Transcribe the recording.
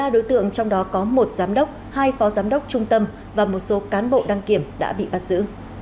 ba đối tượng trong đó có một giám đốc hai phó giám đốc trung tâm và một số cán bộ đăng kiểm đã bị bắt giữ